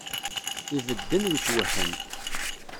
Ibedden yetwehhem